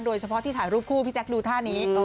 โดยเฉพาะที่ถ่ายรูปคู่พี่แจ๊คดูท่านี้